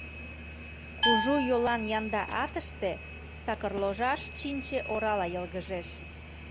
Кужу йолан янда атыште сакырложаш чинче орала йылгыжеш.